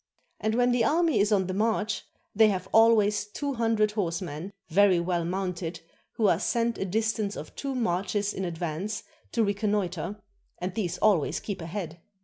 And when the army is on the march, they have always two hundred horsemen, very well mounted, who are sent a distance of two marches in advance to recon noitre, and these always keep ahead.